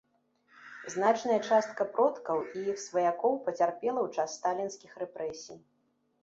Значная частка продкаў і іх сваякоў пацярпела ў час сталінскіх рэпрэсій.